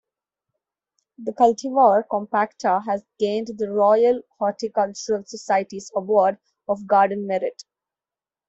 The cultivar 'Compacta' has gained the Royal Horticultural Society's Award of Garden Merit.